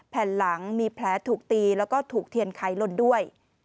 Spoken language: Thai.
แผ่นหลังมีแผลถูกตีแล้วก็ถูกเทียนไขลนด้วย